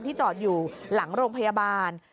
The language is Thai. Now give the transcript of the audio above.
จอดอยู่หลังโรงพยาบาล